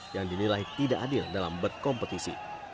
yang dinilai tidak adil dalam berkompetisi